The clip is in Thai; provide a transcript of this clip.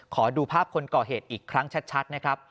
ขอดูภาพคนก่อเหตุอีกครั้งชัดนะครับ